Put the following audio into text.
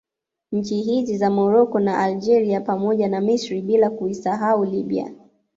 Nchi hizi za Morocco na Algeria pamoja na Misri bila kuisahau Libya